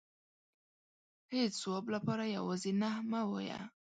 هيچ ځواب لپاره يوازې نه مه وايئ .